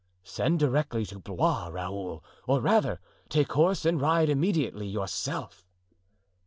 "Send directly to Blois, Raoul; or, rather, take horse and ride immediately yourself."